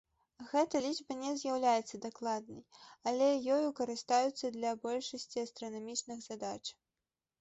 Гэтая лічба не з'яўляецца дакладнай, але ёю карыстаюцца для большасці астранамічных задач.